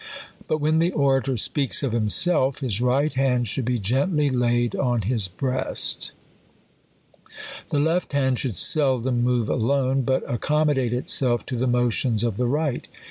But when the orator sp«alcs ©f himself, his right hand should be gently laid on his breast. The left hand should seldom move alone, but ac commodate itself to the motions of the right.